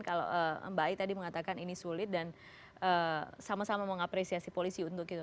kalau mbak ai tadi mengatakan ini sulit dan sama sama mengapresiasi polisi untuk itu